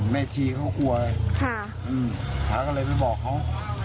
เมธีเขากลัวเลยพาก็เลยไปบอกเขา